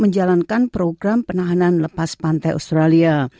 menjalankan program penahanan lepas pantai australia